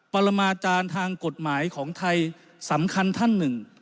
ปรมาจารย์ทางกฎหมายของไทยสำคัญท่านหนึ่ง